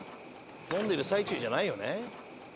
飲んでる最中じゃないよね？